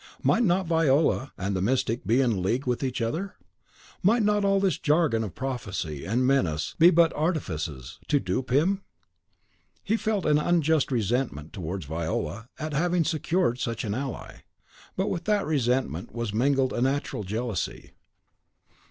Might not Viola and the Mystic be in league with each other? Might not all this jargon of prophecy and menace be but artifices to dupe him? He felt an unjust resentment towards Viola at having secured such an ally. But with that resentment was mingled a natural jealousy.